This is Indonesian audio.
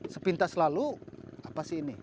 sepintas lalu apa sih ini